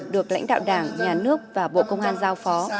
được lãnh đạo đảng nhà nước và bộ công an giao phó